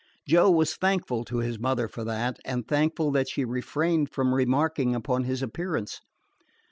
Joe was thankful to his mother for that, and thankful that she refrained from remarking upon his appearance.